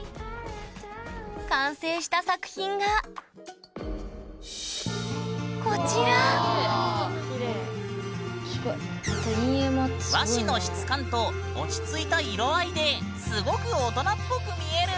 完成した作品がこちら和紙の質感と落ち着いた色合いですごく大人っぽく見える！